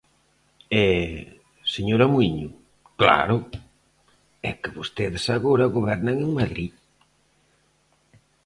E, señora Muíño, ¡claro!, é que vostedes agora gobernan en Madrid.